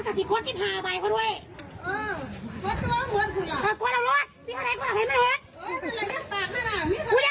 เฮ้จิงอ่ะครับก็เลย